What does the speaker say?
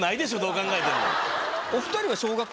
お２人は。